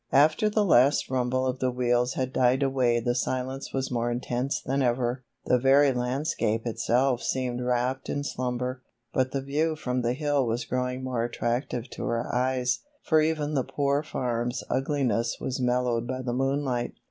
After the last rumble of the wheels had died away the silence was more intense than ever. The very landscape itself seemed wrapped in slumber, but the view from the hill was growing more attractive to her eyes, for even the Poor Farm's ugliness was mellowed by the moonlight.